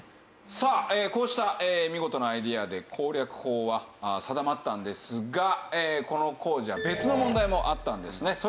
さあこうした見事なアイデアで攻略法は定まったんですがこの工事は別の問題もあったんですね。